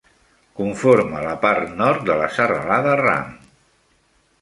Conforma la part nord de la Serralada Ram.